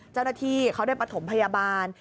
เจ้าหน้าที่เขาได้ประถมพยาบาล